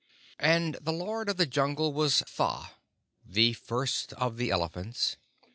"And the Lord of the Jungle was Tha, the First of the Elephants.